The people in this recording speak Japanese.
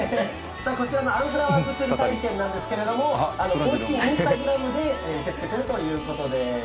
こちらのあんフラワー作り体験なんですけれども、公式インスタグラムで受け付けてるということです。